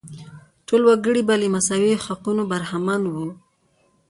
ټول وګړي به له مساوي حقونو برخمن وو.